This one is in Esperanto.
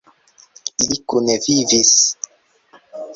Ili kune vivis.